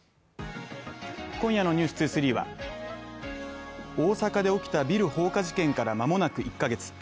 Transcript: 今夜の「ｎｅｗｓ２３」は大阪で起きたビル放火事件から間もなく１カ月。